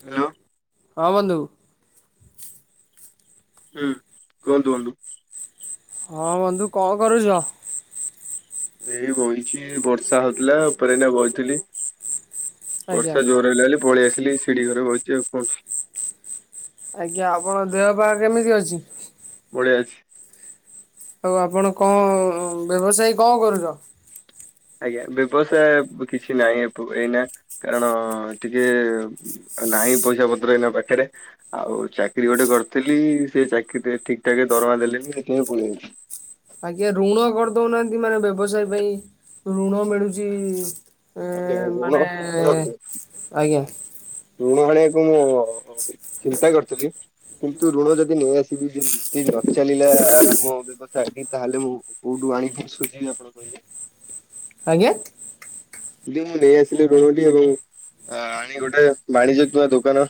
Hello! Hello. ହଁ, ବନ୍ଧୁ। ହୁଁ, କୁହନ୍ତୁ ବନ୍ଧୁ। ହଁ, ବନ୍ଧୁ କଣ କରୁଚ? ଏଇ ବଇଚି ବର୍ଷା ହଉଥିଲା ଉପରେ ଏଇନା ବଇଥିଲି। ଆଜ୍ଞା ବର୍ଷା ଜୋର ହେଲା ବୋଲି ପଳେଇ ଆସିଲି ଶିଢି ଘରେ ବଇଛି ଆଉ କଣ? ଆଜ୍ଞା! ଆପଣଙ୍କ ଦେହ ପା କେମିତି ଅଛି? ବଢ଼ିଆ ଅଛି। ଆଉ ଆପଣ କଣ ବ୍ୟବସାୟ କଣ କରୁଛ? ଆଜ୍ଞା! ବ୍ୟବସାୟ କିଛି ନାହିଁ ଏଇନା କାରଣ ଟିକେ ନାହିଁ ପଇସା ପତର ଏଇନା ପାଖରେ ଆଉ ଚାକିରି ଗୋଟେ କରିଥିଲି ସେ ଚାକିରିରେ ଠିକ ଠାକ ଦ ରମା ଦେଲେ ନି ସେଥି ପାଇଁ ପଳେଇ ଆଇଲି। ଆଜ୍ଞା! ଋଣ କରିଦଉନାହାନ୍ତି ମାନେ ବ୍ୟବସାୟ ପାଇଁ ଋଣ ମିଳୁଛି। ଏ ଆଜ୍ଞା ମାନେ କଣ ଆଜ୍ଞା! ଋଣ ଆଣିବାକୁ ମୁଁ ଚିନ୍ତା କରିଥିଲି କିନ୍ତୁ ଋଣ ଯଦି ନେଇଆସିବି ନ ଚାଲିଲା ମୋ ବ୍ୟବ ସାୟ ତାହେଲେ ମୁଁ କୋଉଠୁ ଆଣିକି ସୁୁଝିବି ଆପଣ କହିଲେ? ଆଜ୍ଞା! ଯଦି ମୁଁ ନେଇ ଆସିଲି ଋଣଟି ଏବଂ ଆଣି ଗୋଟେ ବାଣିଜ୍ୟ କିମ୍ବା ଦୋକାନ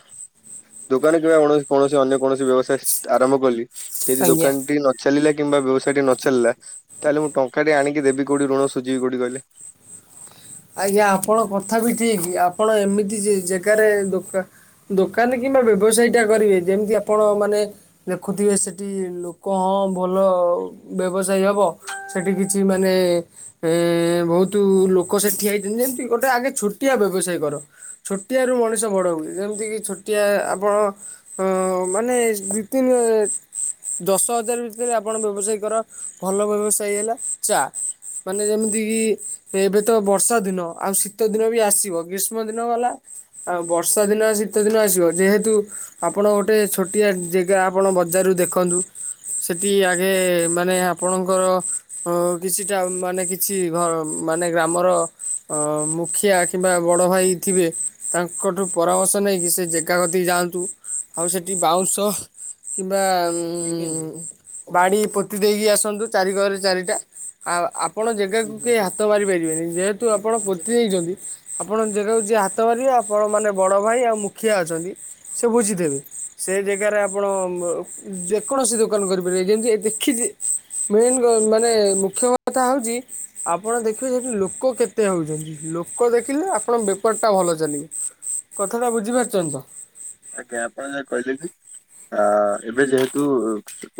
ଦୋକାନ କିବା କଣ କୌଣସି ଅନ୍ୟ କୌଣସି ବ୍ୟବସାୟ ଆରମ୍ଭ କଲି ଯଦି ଆଜ୍ଞା। ଦୋକାନଟି ନ ଚାଲିଲେ କିମ୍ବା ବ୍ୟବସାୟ ଟି ନଚାଲିଲା ତାହେଲେ ମୁଁ ଟଙ୍କାଟି ଆଣିକି ଦେବି କୋଉଠି ଋଣ ସୁଜିବି କୋଉଟି କହିଲେ। ଆଜ୍ଞା! ଆପଣଙ୍କ କଥା ବି ଠିକ ଆପଣ ଏମିତି ଜେଗାରେ ଦୋକାନ କିମ୍ବା ବ୍ୟବସାୟୀ ଟା କରିବେ ଯେମିତି ଆପଣ ମାନେ ଦେଖୁଥିବେ ସେଠି ଲୋକ ହଁ, ଭଲ ବ୍ୟବସାୟ ହବ। ସେଠି କିଛି ମାନେ ବହୁତୁ ଲୋକ ସେ ଠିଆଇଛନ୍ତି ଯେମିତି ଗୋଟେ ଆଗେ ଛୋଟିଆ ବ୍ୟବସାୟ କର ଛୋଟିଆରୁ ମଣିଷ ବଡ ହଉଛି ଯେମିତି କି ଛୋ ଟିଆ ଆପଣ ମାନେ ଦି ତିନି ହ ଦଶ ହଜାର ଭିତରେ ଆପଣ ବ୍ୟବସାୟ କର, ଭଲ ବ୍ୟବସାୟ ହେଲା ଚା। ମାନେ ଯେମିତି କି ଏବେ ଶୀତ, ବର୍ଷା ଦିନ ଆଉ ଶୀତ ଦିନ ବି ଆସିବ ଗ୍ରୀଷ୍ମ ଦିନ ଗଲା ଆଉ ବର୍ଷା ଦିନ, ଶୀତ ଦିନ ଆସିବ ଯେହେତୁ ଆପଣ ଗୋଟେ ଛୋଟିଆ ଜେଗା ଆପଣ ବଜାରୁ ଦେଖନ୍ତୁ। ସେଠି ଆଗେ ମାନେ ଆପଣଙ୍କର ଅ କିଛିଟା ମାନେ କିଛି ଘର ମାନେ ଗ୍ରାମର ମୁଖିଆ କିମ୍ବା ବଡ଼ ଭାଇ ଥିବେ, ତାଙ୍କଠୁ ପରାମର୍ଶ ନେଇକି ସେ ଜେଗା କତିକି ଯାଆନ୍ତୁ ଆଉ ସେଠି ବାଉଁଶ କିମ୍ବା ଉଁ ବାଡି ପୋତି ଦେଇକି ଆସନ୍ତୁ ଚାରି କରେ ଚାରିଟା ଆଉ ଆପଣ ଜେଗାକୁ କେହି ହାତ ମାରିପାରିବେ ନି ଯେହେତୁ ଆପଣ ପୋତି ଦେଇଛନ୍ତି ଆପଣଙ୍କ ଜେଗା କୁ ଯିଏ ହାତ ମାରିବ ଆପଣ ମାନେ ବଡ ଭାଇ ଆଉ ମୁ [unintelligible] ଅଛନ୍ତି ସେ ବୁଝିଦେବେ ସେ ଜାଗାରେ ଆପଣ ଯେକୌଣସି ଦୋକାନ କରିିପାରିବେ ଯେମିତି ଦେଖିଛି ମେନ୍ ମାନେ ମୁଖ୍ୟ କଥା ହଉଛି ଆପଣ ଦେଖିବେ ସେଠି ଲୋକ କେତେ ହଉଛନ୍ତି ଲୋକ ଦେଖିଲେ ଆପଣ ବେପାର ଟା ଭଲ ଚାଲେ କଥା ଟା ବୁଝିପାରୁଛନ୍ତି ତ? ଆଜ୍ଞା ଆପଣ ଯା କହିଲେ ବି ଆ ଏବେ ଯେହେତୁ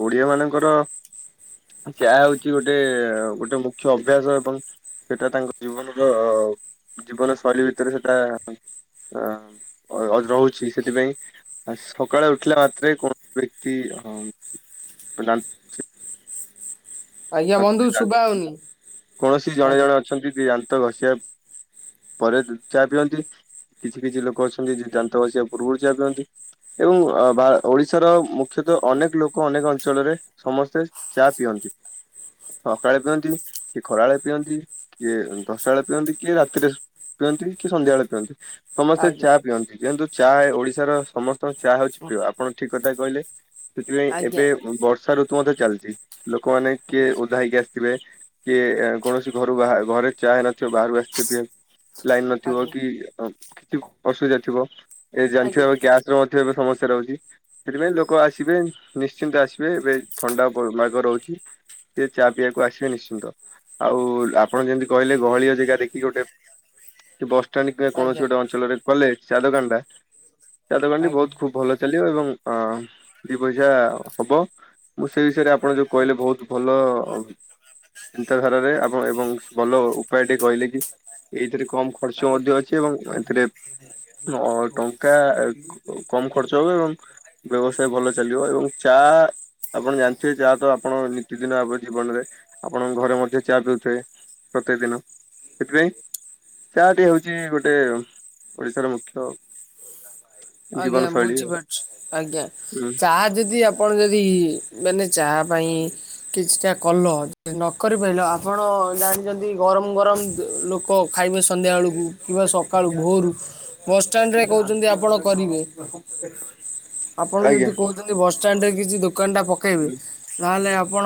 ଓଡିଆ ମାନଙ୍କର ଚାହା ହଉଛି ଗୋଟେ ଗୋଟେ ମୁଖ୍ୟ ଅଭ୍ୟାସ ଏବଂ ସେଟା ତାଙ୍କ ଜୀବନର ଜୀବନ ଶୈଳୀ ଭିତରେ ସେଟା ଅ ରହୁଛି ସେ। ସେଥିପାଇଁ ଆ ସକାଳେ ଉଠିଲା ମାତ୍ରେ କୌଣସି ବ୍ୟକ୍ତି [inaudible] ଆଜ୍ଞା ବନ୍ଧୁ ଶୁବା ହଉନି କୌଣସି ଜଣେ ଆଜ୍ଞା। ଜଣେ ଅଛନ୍ତି ଦାନ୍ତ ଘଷିବା ପରେ ଚାହା ପିଅନ୍ତି କିଛି କିଛି ଲୋକ ଅଛନ୍ତି ଯେ ଦାନ୍ତ ଘସିବା ପୂର୍ବରୁ ଚାହା ପିଅନ୍ତି। ଏବଂ ବା ଓଡିଶାର ମୁ ଖ୍ୟତଃ ଅନେକ ଲୋକ ଅନେକ ଅଞ୍ଚଳରେ ସମସ୍ତେ ଚା ପିଅନ୍ତି। ସକାଳେ ପିଅନ୍ତି, କିଏ ଖରାବେଳେ ପିଅନ୍ତି, କିଏ ଦଶଟା ବେଳେ ପିଅନ୍ତି, କିଏ ରାତିରେ ପିଅନ୍ତି, କି ସନ୍ଧ୍ୟାବେଳେ ପିଅନ୍ତି। ସମସ୍ତେ ଆଜ୍ଞା ଚା ପିଅନ୍ତି କିନ୍ତୁ ଚା ଓଡିଶାର ସମସ୍ତଙ୍କ ଚାହା ହଉଛି ପ୍ରିୟ ଆପଣ ଠିକ୍ କଥା କହିଲେ। ସେଥିପାଇଁ ଆଜ୍ଞା ଏବେ ବର୍ଷା ଋତୁ ମଧ୍ୟ ଚାଲିଛି ଲୋକମାନେ ଆଜ୍ଞା କିଏ ଓଦା ହେଇକି ଆସି ଥିବେ କିଏ କୌଣସି ଘରୁ ବାହା ଘରେ ଚା ହେଇନଥିବ ବାହାରୁ ଆସି ଲାଇନ୍ ନଥିବ ଆଜ୍ଞା କି କିଛି ଅସୁବିଧା ଥିବ। ଏ ଜାଣିଚୁ ଆଜ୍ଞା ଏବେ ଗ୍ୟାସ ରେ ମଧ୍ୟ ଏବେ ସମସ୍ତେ ରହୁଛି ସେଥିପାଇଁ ଲୋକ ଆସିବେ ନିଶ୍ଚିନ୍ତ ଆସିବେ ଏବେ ଥଣ୍ଡା ମାଗ ରହୁଛି। ସେ ଚା ପିଇବାକୁ ଆସିବେ ନିଶ୍ଚିନ୍ତ ଆଉ ଆପଣ ଯେମିତି କହିଲେ ଗହଳିଆ ଜାଗା ଦେଖିକି ଗୋଟେ ସେ ବସ୍ କୌଣସି ଆଜ୍ଞା ଗୋଟେ ଅଞ୍ଚଳରେ କଲେଜ ଚା ଦୋକାନଟା ଚା ଦୋକାନଟି ଆଜ୍ଞା ବହୁତ ଖୁବ ଭଲ ଚାଲିବ ଏବଂ ହଁ ଦି ପଇସା ହବ ମୁଁ ସେଇ ବିଷୟରେ ଆପଣ ଯୋଉ କହିଲେ ବହୁତ ଆ। ଚିନ୍ତାଧାରାରେ ଆମ ଏବଂ ଭଲ ଉପାୟ ଟେ କହିଲେ କି ଏଇଥିରେ କମ ଖର୍ଚ୍ଚ ଆଜ୍ଞା ମଧ୍ୟ ଅଛି ଏବଂ ଏଥିରେ ଟଙ୍କା କମ ଖର୍ଚ୍ଚ ହବ ଏବଂ ବ୍ୟବସାୟ ଭଲ ଚାଲିବ ଏବଂ ଚା ଆପଣ ଜାଣିଥିବେ ଚା ତ ଆପଣ ନୀତିଦିନ ଆମ ଜୀବନରେ ଆପଣଙ୍କ ଘରେ ମଧ୍ୟ ଚା ପିଉଥିବେ ପ୍ରତ୍ୟେକ ଦିନ। ସେଥିପାଇଁ ଚା ଟି ହଉଛି ଗୋଟେ ଓଡିଶାର ମୁଖ୍ୟ। ଜୀବନ ଆଜ୍ଞା ଶୈଳୀ ଆଉ। ବୁଝିପାରୁଛୁ ଆଜ୍ଞା ହୁଁ ଚାହା ଯଦି ଆପଣ ଯଦି ଦି ମାନେ ଚାହା ପାଇଁ କିଛିଟା କଲ ନ କରିପାରିଲ ଆପଣ ଜାଣିଛନ୍ତି ଗରମ ଗରମ ଲୋକ ଖାଇବେ ସନ୍ଧ୍ୟାବେଳକୁ କିମ୍ବା ସକାଳୁ ଭୋରୁ ବସ୍ ଷ୍ଟାଣ୍ଡରେ କହୁଛନ୍ତି ଆପଣ କରିବେ ଆପଣ ଆଜ୍ଞା ଯଦି କହୁଛନ୍ତି ବସ୍ ଷ୍ଟାଣ୍ଡରେ କିଛି ଦୋ ଦୋକାନଟା ପକେଇବେ ହୁଁ ନହେଲେ ଆପଣ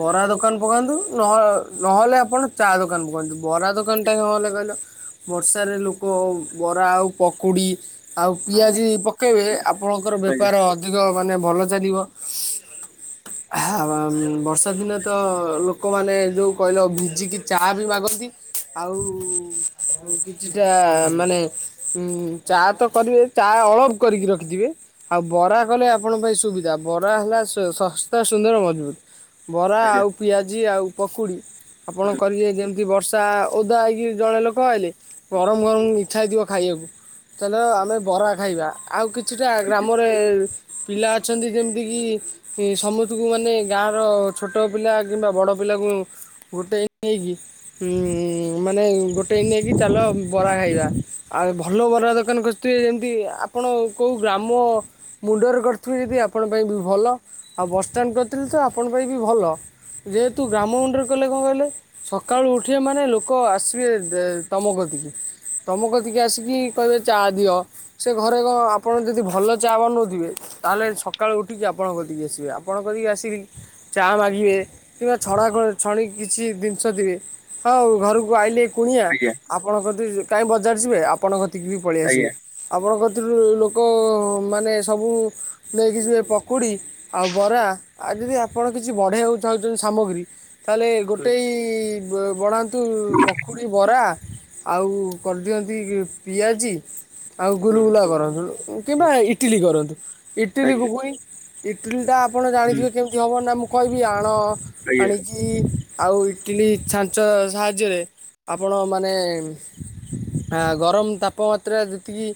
ବରା ଦୋକାନ ପକାନ୍ତୁ ନହ ନହେଲେ ଆପଣ ଚା ଦୋକାନ ପକାନ୍ତୁ। ବରା ଦୋକାନଟା କଣ ହେଲା କହିଲ ବର୍ଷାରେ ଲୋକ ବରା ଆଉ ପକୁଡ଼ି ଆଉ ହୁଁ, ପିଆଜି ପକେଇବେ ଆପଣଙ୍କର ଆଜ୍ଞା ବେପାର ଅଧିକ ମାନେ ଭଲ ଚାଲିବ। ହ ବର୍ଷା ଦିନେ ତ ଲୋକମାନେ ଯୋଉ କହିଲ ଭିଜିିକି ଚା ବି ମାଗନ୍ତି। ଆଉ କିଛିଟା ମାନେ ଉ ଚା ତ କରିବେ ଚା ଅଳପ କରିକି ରଖିଥିବେ ଆଉ ବରା କଲେ ଆପଣଙ୍କ ପାଇଁ ସୁବିଧା ବରା ହେଲା ସ ଶସ୍ତା ସୁନ୍ଦର ମଜବୁତ। ବରା ଆଜ୍ଞା ଆଉ ପିଆଜି ଆଉ ପକୁଡ଼ି ଆପଣ ହୁଁ। କରିବେ ଯେମିତି ବର୍ ଓଦା ହେଇକି ଜଣେ ଲୋକ ଆଇଲେ, ହୁଁ, ଗରମ ଗରମ ଇଚ୍ଛା ହେଇଥିବ ଖାଇବାକୁ। ତାହେଲେ ଆଉ କିଛିଟା ଆଜ୍ଞା ଆଜ୍ଞା ଆଜ୍ଞା ହୁଁ ହୁଁ। ଗ୍ରାମରେ ପିଲା ଅଛନ୍ତି ଯେମିତିକି ସମସ୍ତଙ୍କୁ ମାନେ ଗାଁ ର ଛୋଟ ପିଲା କିମ୍ବା ବଡ ପିଲା କୁ ଗୋଟେ ଉଁ ମାନେ ଗୋଟେଇକି ନେଇକି ଚାଲ ବରା ଖାଇବା। ଆଉ ଭଲ ବରା ଦୋକାନ ଖୋ ତେ ଯେମିତି ଆପଣ କେଉଁ ଗ୍ରାମ ମୁଣ୍ଡରେ କରିଥିବେ ଯଦି ଆପଣ ପାଇଁ ବି ଭଲ। ଆ ଆଉ ବସଷ୍ଟାଣ୍ଡ କରିଥିଲି ତ ଆପଣ ପାଇଁ ବି ଭଲ। ଯେହେତୁ ଗ୍ରାମ ମୁଣ୍ଡରେ କଲେ କଣ କହିଲେ ସକାଳୁ ଉଠିବେ ମାନେ ଲୋକ ଆସିବେ ତମ କତି ତମ କତିକି ଆସିକି କହିବେ ଚା ଦିଅ। ସେ ଘରେ କଣ ଆପଣ ଯଦି ଭଲ ଚା ବନଉଥିବେ ତାହେଲେ ସକାଳୁ ଉଠିକି ଆପଣଙ୍କ କତିକି ଆସିବେ। ଆସିବେ ଆପଣ କରିକି ଆସିକି ଚା ମାଗିବେ କିମ୍ବା ଛଣା ଛଣି କିଛି ଜିନିଷ। [unintelligible] ହଉ ଘରକୁ ଆଇଲି କୁଣିଆ, ଆପଣଙ୍କ କତିକି କାଇଁ ବଜାର ଯିବେ ଆପଣ କତିକି ବି ପଳେଇ ଆଜ୍ଞା ହୁଁ ଆଜ୍ଞା ଆସିବେ। ଆଜ୍ଞା ଆପଣଙ୍କ ଏଥିରୁ ଲୋକ ମାନେ ସବୁ ନେଇକି ଯିବେ ପକୁଡ଼ି ଆଉ ବରା ଆଉ ଯଦି ଆପଣ କିଛି ବଢେଇକୁ ଚାହୁଛନ୍ତି ସାମଗ୍ରୀ ତାହେଲେ ହୁଁ ହୁଁ ଗୋଟେ ବଢ଼ାନ୍ତୁ ପକୁଡ଼ି ବରା ଆଉ କରିଦିଅନ୍ତି ପିଆଜି ଆଉ ହୁଁ, ଗୁଲଗୁଲା କରନ୍ତୁ କିମ୍ବା ଇଟିଲି କରନ୍ତୁ। ଆଜ୍ଞା। ଆଜ୍ଞା ହୁଁ, ଆଜ୍ଞା ଇଟିଲି ହୁଁ ହୁଁ ହୁଁ ଘୁଗୁନି ଇଟିଲିଟା ଆପଣ ଜାଣିଥିବେ କେମିତି ହେବ ନା ମୁଁ କହିବି, ଆଣ ଆଣିକି ଆଉ ଇଟିଲି ଛାଞ୍ଚ ସାହାଯ୍ୟରେ ଆପଣ ମାନେ ଆ ଗରମ ତାପମାତ୍ରା ଏତିକି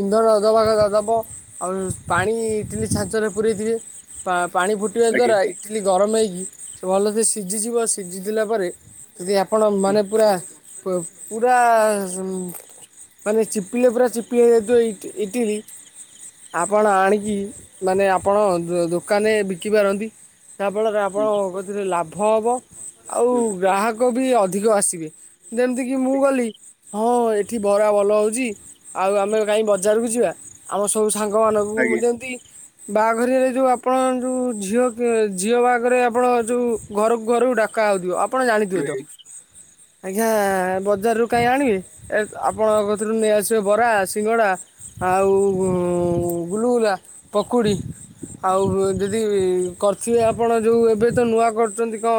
ଇନ୍ଧନ ଦବା କଥା ଦବ। ଆଉ ପାଣି ଇଟିଲି ଛାଞ୍ଚରେ ପୁରେଇଥିବେ। ପା ପାଣି ଫୁଟିବା ଦ୍ଵାରା ଇଟିଲି ଗରମ ହେଇକି ସେ ଭଲ ସେେ ସିଝିଯିବ ସିଝିଗଲା ପରେ ଯଦି ଆପଣ ମାନେ ପୁରା ପୁ ପୁରା ମାନେ ଚି ଚିପିଲେ ପୁରା ଚିପି ହେଇଯାଉଥିବ ଇଟିଲି। ଆପଣ ଆଣିକି ମାନେ ଆପଣ ଦୋକାନରେ ବିକିପାରନ୍ତି। ଯାହାଫଳରେ ଆପଣଙ୍କ କତିରେ ଲାଭ ହେବ। ଆଉ ଗ୍ରାହକ ଲୋକ ବି ଅଧିକ ଆସିବେ। ଯେମିତିକି ମୁଁ ଗଲି ହଁ ଏଠି ବରା ଭଲ ହଉଚି ଆଉ ଆମେ କାଇଁ ବଜାରକୁ ଯିବା। ଆମ ସବୁ ସାଙ୍ଗମାନଙ୍କୁ ଯେମିତି ବାହାଘରରେ ଯୋଉ ଆପଣ ଯୋଉ ଝିଅ ଝିଅ ବାହାଘରେ ଆପଣ ଯୋଉ ଘରକୁ ଘରକୁ ଡାକ ଡକା ହେଉଥିବ ଆପଣ ଜାଣିଥିବେ ତ। ଆଜ୍ଞା ବଜାର ରୁ କାଇଁ ଆଣିବେ, ଏ ଆପଣଙ୍କ କତିରୁ ନେଇ ଆସି ସେ ବରା, ସିଙ୍ଗଡ଼ା ଆଉ ଗୁଲଗୁଲା, ପକୁଡ଼ି। ଆଉ ଯଦି କରିଥିବେ ଆପଣ ଯଉ ଏବେ ତ ନୂଆ କରୁଛନ୍ତି କଣ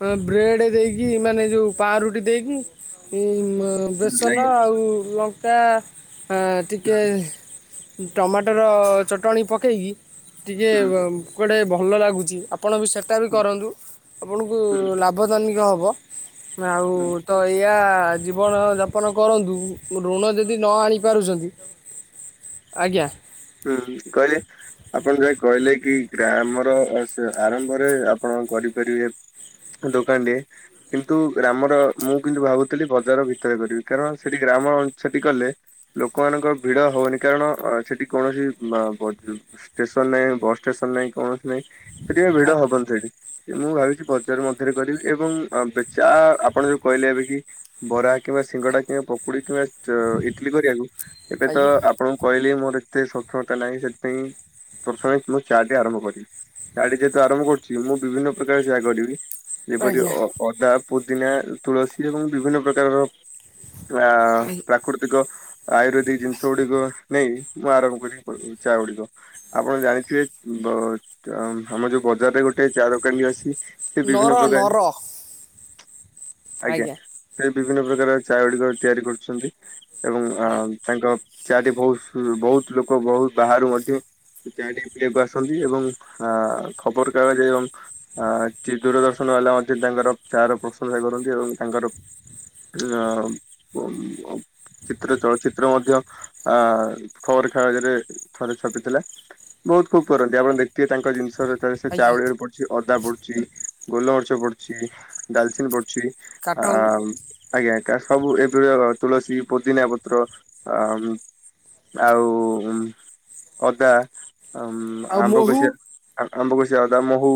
ବ୍ରେ ବ୍ରେଡ ଦେଇକି ମାନେ ଯୋଉ ପାଁରୁଟି ଦେଇକି ବେସନ ଆଉ ଲଙ୍କା ଟିକେ ଟମାଟର ଚଟଣି ପକେଇକି ଟିକେ କୁଆଡ଼େ ଭଲ ଲାଗୁଚି। ଆପଣ ବି ସେଟା ବି କରନ୍ତୁ। ଆପଣଙ୍କୁ ଲାଭଦାନିକ ହବ। ଆଉ ତ ଏଇଆ ଜୀବନ ଯାପନ କରନ୍ତୁ। ଋଣ ଯଦି ନ ଆଣିପାରୁଛନ୍ତି ଆଜ୍ଞା। ହୁଁ କହିଲେ ଆପଣ ଯଉ କହିଲେ କି ଗ୍ରାମର ଆରମ୍ଭରେ ଆପଣ କଣ କରିପାରିବେ ଦୋକାନ ଟିଏ। କିନ୍ତୁ ଗ୍ରାମର ମୁଁ କିନ୍ତୁ ଭାବୁଥିଲି ବଜାର ଭିତରେ କରିବି। କାରଣ ସେଠି ଗ୍ରା ଆମର ସେଠି କଲେ ଲୋକମାନଙ୍କର ଭିଡ ହବନି। କାରଣ ସେଠି କୌଣସି ଷ୍ଟେସନ ନାହିଁ ବସ୍ ଷ୍ଟେସନ ନାଇଁ। କୌଣ ନାହିଁ। ସେଥିପାଇଁ ଭିଡ ଆଜ୍ଞା ହବନି ସେଠି। ମୁଁ ଭାବିି ବଜାର ମଧ୍ୟରେ କରିବି। ଏବଂ ଚା ଆପଣ ଯୋଉ କହିଲେ ଏବେ କି ବରା କିମ୍ବା ସିଙ୍ଗଡ଼ା କି ପକୁଡି କିମ୍ବା ଇଟଲିି କରିବାକୁ। ଏବେ ତ ଆଜ୍ଞା ଆପଣଙ୍କୁ କହିଲେ ମୋର ଏତେ ସକ୍ଷମତା ନାହିଁ ସେଥିପାଇଁ। ପ୍ରଥମେ ମୁଁ ଚା ଟି ଆରମ୍ଭ କରିବି ଚା ଟି ଯେହେତୁ ଆରମ୍ଭ କରୁଛି ମୁଁ ବିଭିନ୍ନ ପ୍ରକାର ଚାହା କରିବି। ଯେପରି ଆଜ୍ଞା ଅଦା ପୁଦିନା ତୁଳସୀ ଏବଂ ବିଭିନ୍ନ ପ୍ରକାରର। ଆ ପ୍ରାକୃତିକ ଆୟୁର୍ବେଦି ଜିନିଷ ଗୁଡିକ ନେଇ ନୂଆ ଆରମ୍ଭ କରି ଚା ଗୁଡିକ ଆପଣ ଜାଣିଥିବେ ବଜ୍ ଆମ ଯୋଉ ବଜାରରେ ଗୋ ଗୋଟେ ଚା ଦୋକାନୀ ଅଛି। ସେ ବିଭିନ୍ନ ନର ପ୍ରକାର ନର। ଆଜ୍ଞା ସେ ବିଭିନ୍ନ ପ୍ରକାର ଚା ଗୁଡିକ ତିଆରି କରୁଛନ୍ତି। ଏବଂ ଆଜ୍ଞା ତାଙ୍କ ଚାଟି ବହୁତ ବହୁତ ଲୋକ ବହୁତ ବାହାରୁ ମଧି ଚାଟି ପିଇବାକୁ ଆସନ୍ତି ଏବଂ ଆ ଖବରକାଗଜ ଏବଂ ଆ ଚି ଦୂରଦର୍ଶନ ନହେଲେ ଅଣ୍ଟି ତାଙ୍କର ଚା ର ପ୍ରଶଂସା କରନ୍ତି ଏବଂ ତାଙ୍କର ଆଉ [unintelligible] ଚିତ୍ର ଚଳଚିତ୍ର ମଧ୍ୟ ଆ ଖବର କାଗଜ ରେ ଥରେ ଛପିଥିଲା ବହୁତ ଖୁବ କରନ୍ତି ଆପଣ ଦେଖିଥିବେ ତାଙ୍କ ଜିନିଷର ଥରେ ସେ ଆଜ୍ଞା ଚାଉଳରେ ପଡୁଛି ଅଦା ପଡୁଛି ଗୋଲମରିଚ ପଡୁଛି ଡାଲଚିନ୍ ପଡୁଛି। କାଠ ଗୁଣ୍ଡ ଆମ୍ ଆଜ୍ଞା। ତା ସବୁ ଏବେ ତୁଳସୀ ପୁଦିନା ପତ୍ର ଆ ଆଉ ଅଦା ଆମ୍ ଆଉ ଆମ୍ବ ମହୁ କଷିଆ ଆମ୍ବ କଷ ଚିଅଦା ମହୁ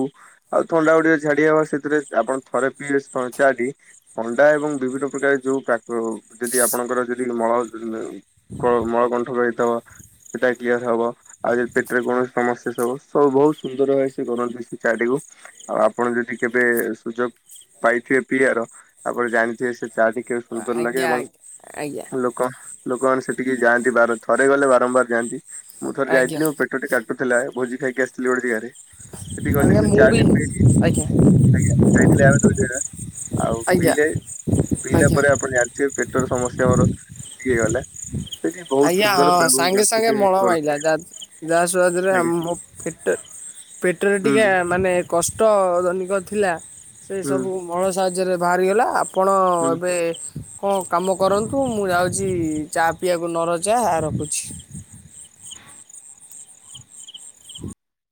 ଆଉ ଥଣ୍ଡା ଗୁଡେ ଝାଡି ହବ ସେଥିରେ ଆପଣ ଥରେ ପିଇଲେ ଚା ଟି ପ ଅଣ୍ଡା ଏବଂ ବିଭିନ୍ନ ପ୍ରକାର ଯୋଉ ପାକ ହେଉ ଯଦି ଆପଣଙ୍କର ଯଦି ମଳ କଳ ମଳ ଗନ ରଇତବ ସେଇଟା କ୍ଲିୟର ହବ ଆଉ ଯଦି ପେଟରେ କୌଣସି ସମସ୍ୟା ସବୁ ସବୁ ବହୁତ ସୁନ୍ଦର ହଏ ସେ ବନାନ୍ତି ସେ ଚା ଟି କୁ। ଆଉ ଆପଣ ଯଦି କେବେ ସୁଯୋଗ ପାଇଥିବେ ପିଆର ତାପରେ ଜାଣିଥିବେ ସେ ଚାହା ଟିକେ ସୁନ୍ଦର ଲାଗେ ଆଜ୍ଞା ଏବଂ ଆଜ୍ଞା ଆଜ୍ଞା ଲୋକ ଲୋକମାନେ ସେଠିକି ଯାନ୍ତି ବାର ଥରେ ଗଲେ ବାରମ୍ବାର ଯାଆନ୍ତି ମୁଁ ଥରେ ଆଜ୍ଞା ଯାଇଥିଲି ମୋ ପେଟ ଟା କା ଟୁ ଥିଲାଏ ଭୋଜି ଖାଇକି ଆସିଥିଲି ଗୋଟେ ଜାଗାରେ। ସେଠି ଗଲି ଆଜ୍ଞା ସେ ମୁଁ ଚା ବି ଟି ପିଇଲି ଆଜ୍ଞା ଆଜ୍ଞା ଯାଇଥିଲି ଆର। [unintelligible] ଆଉ ଆଜ୍ଞା ପିଇଲେ ପିଇଲା ଆଜ୍ଞା ପରେ ଆପଣ ଜାଣିଥିବେ ପେଟରେ ସମସ୍ ଚମରୁ ଇଏ ଗଲେ ସେଠି ବହୁତ ଆଜ୍ଞା ସୁନ୍ଦର ହଁ ଏବଂ ସାଙ୍ଗେ ସାଙ୍ଗେ ପ୍ରାକୃତିକ ମଳ କରନ୍ତି ମାଇଲା ଯା ଯାହା ସାହାଯ୍ୟରେ ଆଜ୍ଞା ଆମ ଫିଟ ପେଟରେ ହୁଁ ଟିକେ ମାନେ କଷ୍ଟ ଦନିକ ଥିଲା ସେ ହୁଁ ସବୁ ମଳ ସାହାଯ୍ୟରେ ବାହାରିଗଲା ଆ ଆପଣ ହୁଁ। ଏବେ କଣ କାମ କରନ୍ତୁ ମୁଁ ଯାଉଚି ଚା ପିଇବା ଆ କୁ ନରଜା ରଖୁଛି।